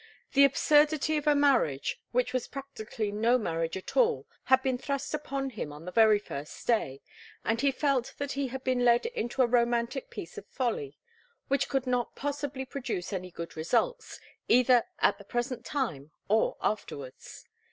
The absurdity of a marriage, which was practically no marriage at all, had been thrust upon him on the very first day, and he felt that he had been led into a romantic piece of folly, which could not possibly produce any good results, either at the present time or afterwards.